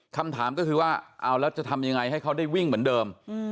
คำถามก็คือว่าเอาแล้วจะทำยังไงให้เขาได้วิ่งเหมือนเดิม